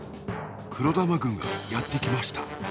黒玉軍がやってきました。